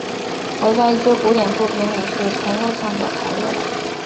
而在一些古典作品里是从右向左排列的。